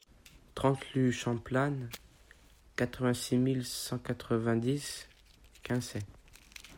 trente rue Champlan, quatre-vingt-six mille cent quatre-vingt-dix Quinçay